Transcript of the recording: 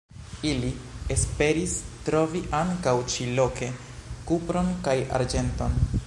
Ili esperis trovi ankaŭ ĉi-loke kupron kaj arĝenton.